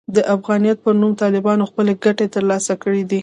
د افغانیت پر نوم طالبانو خپلې ګټې ترلاسه کړې دي.